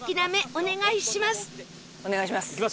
お願いします！